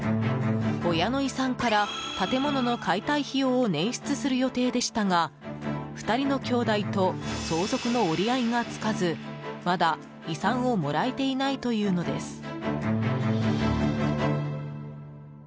親の遺産から建物の解体費用を捻出する予定でしたが２人の兄弟と相続の折り合いがつかずまだ遺産をもらえていないというのです。